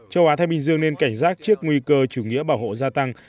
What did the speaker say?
châu á thái bình dương nên cảnh giác trước nguy cơ chủ nghĩa bảo hộ gia tăng